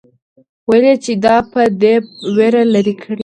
ويل يې چې دا به دې وېره لري کړي.